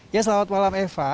ya selamat malam eva